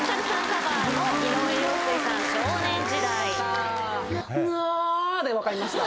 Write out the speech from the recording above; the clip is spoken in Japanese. カバーの井上陽水さん『少年時代』「なぁ」で分かりました。